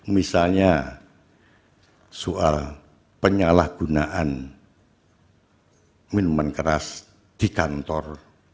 misalnya soal penyalahgunaan minuman keras di kantor